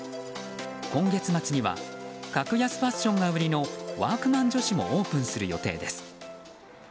今月末には格安ファッションが売りのワークマン女子もオープンする予定です。